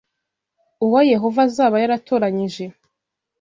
uwo Yehova azaba yaratoranyije